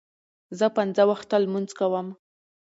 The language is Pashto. زه پنځه وخته لمونځ کوم.